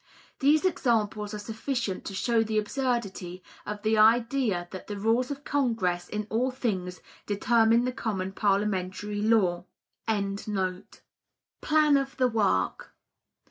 These examples are sufficient to show the absurdity of the idea that the rules of Congress in all things determine the common parliamentary law.] Plan of the Work.